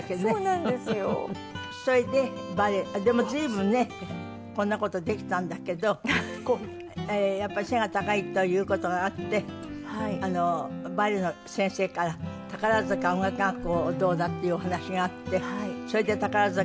それでバレエでも随分ねこんな事できたんだけどやっぱり背が高いという事があってバレエの先生から宝塚音楽学校どうだ？っていうお話があってそれで宝塚